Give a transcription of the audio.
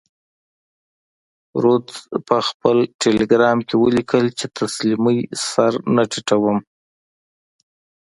رودز په خپل ټیلګرام کې ولیکل چې تسلیمۍ سر نه ټیټوم.